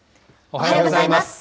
おはようございます。